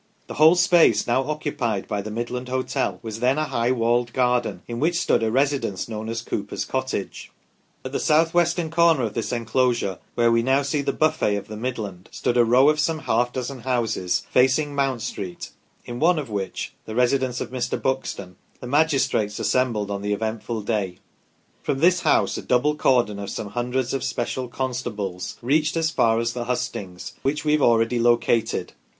The whole space now occupied by the Mid land hotel was then a high walled garden, in which stood a residence known as Cooper's cottage ; at the south western corner of this en closure, where we now see the Buffet of the Midland, stood a row of some half dozen houses, facing Mount Street, in one of which the residence of Mr. Buxton the magistrates assembled on the eventful day. From this house a double cordon of some hundreds of special constables reached as far as the hustings, which we have already located.